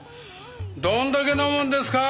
どんだけ飲むんですか？